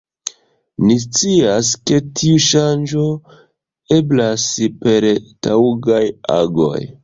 Ni scias, ke tiu ŝanĝo eblas per taŭgaj agoj.